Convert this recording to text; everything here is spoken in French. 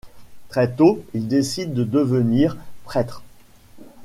Très tôt, il décide de devenir prêtre.